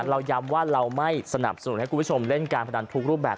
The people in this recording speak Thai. เราย้ำว่าเราไม่สนับสนุนให้คุณผู้ชมเล่นการพนันทุกรูปแบบ